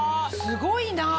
すごいなぁ。